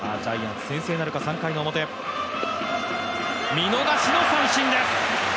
見逃しの三振です。